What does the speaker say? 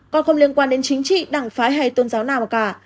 con không liên quan đến chính trị đảng phái hay tôn giáo nào cả